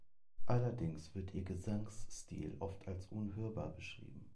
Allerdings wird ihr Gesangsstil oft als unhörbar beschrieben.